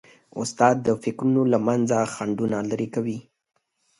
استاد د فکرونو له منځه خنډونه لیري کوي.